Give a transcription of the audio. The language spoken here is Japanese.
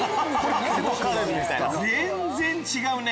全然違うね。